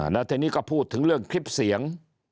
แล้วทีนี้ก็พูดถึงเรื่องคลิปเสียง